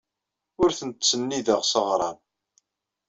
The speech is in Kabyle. Ur tent-ttsennideɣ s aɣrab.